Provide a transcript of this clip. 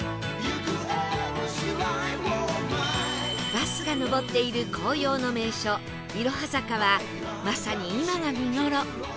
バスが上っている紅葉の名所いろは坂はまさに今が見頃